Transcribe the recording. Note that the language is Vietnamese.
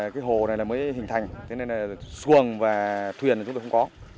cái hồ này mới hình thành thế nên là xuồng và thuyền chúng tôi không có